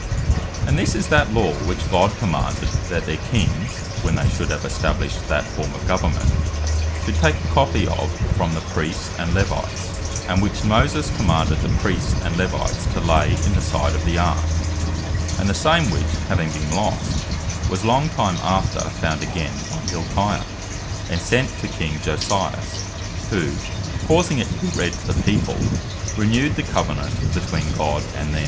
And this is that Law which God commanded, that their Kings (when they should have established that form of Government) should take a copy of from the Priests and Levites to lay in the side of the Arke; (Deut. 31. 26) and the same which having been lost, was long time after found again by Hilkiah, and sent to King Josias, who causing it to be read to the People, renewed the Covenant between God and them.